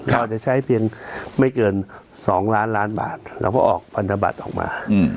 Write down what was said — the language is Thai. เราจะใช้เพียงไม่เกิน๒ล้านล้านบาทเราก็ออกพันธบัตรออกมา